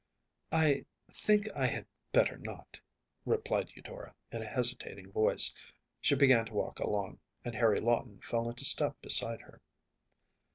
‚ÄĚ “I think I had better not,‚ÄĚ replied Eudora, in a hesitating voice. She began to walk along, and Harry Lawton fell into step beside her.